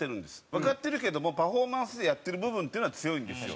わかってるけどもパフォーマンスでやってる部分っていうのは強いんですよ。